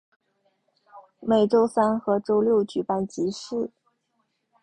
每周三和周六举办集市。